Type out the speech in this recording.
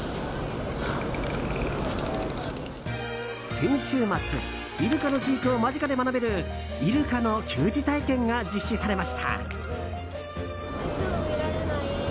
先週末イルカの飼育を間近で学べるイルカの給餌体験が実施されました。